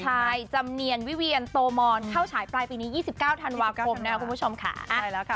ใช่จำเนียนวิเวียนโตมอนเข้าฉายปลายปีนี้๒๙ธันวาคมนะครับคุณผู้ชมค่ะ